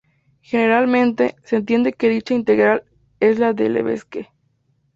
Generalmente, se entiende que dicha integral es la de Lebesgue.